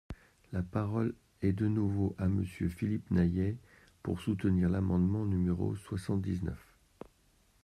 La parole est de nouveau à Monsieur Philippe Naillet, pour soutenir l’amendement numéro soixante-dix-neuf.